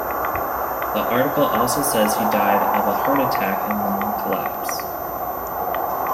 The article also says he died of a heart attack and lung collapse.